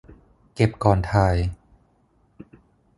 เก็บก่อนถ่าย